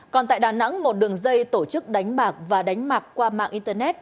còn tại đà nẵng một đường dây tổ chức đánh bạc và đánh bạc qua mạng internet